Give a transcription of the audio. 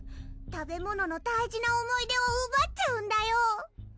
食べ物の大事な思い出をうばっちゃうんだよ！